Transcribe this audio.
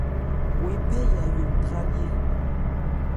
Wo ephɛ́ Yayó ntrályɛ́.